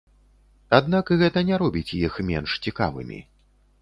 Аднак гэта не робіць іх менш цікавымі.